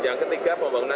yang ketiga pembangunan